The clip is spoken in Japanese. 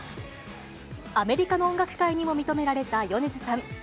アメリカの音楽界にも認められた米津さん。